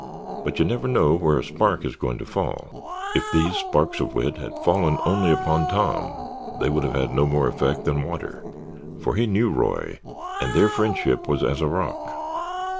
But you never know where a spark is going to fall. If these sparks of wit had fallen only upon Tom they would have had no more effect than water, for he knew Roy, and their friendship was as a rock.